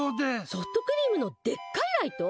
ソフトクリームのでっかいライト？